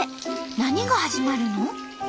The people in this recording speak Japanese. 何が始まるの？